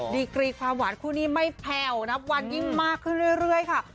ดีกรีความหวานคู่นี้ไม่แผ่วนับวันยิ่งมากขึ้นเรื่อยค่ะ